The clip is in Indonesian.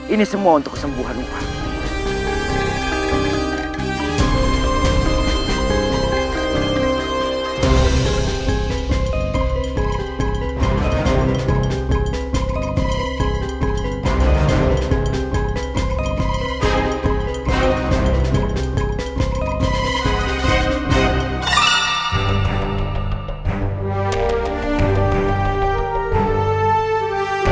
ini semua untuk kesembuhanmu pak